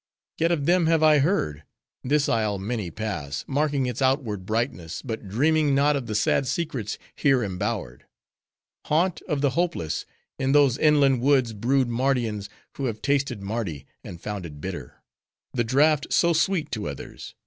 Yet of them have I heard. This isle many pass, marking its outward brightness, but dreaming not of the sad secrets here embowered. Haunt of the hopeless! In those inland woods brood Mardians who have tasted Mardi, and found it bitter—the draught so sweet to others!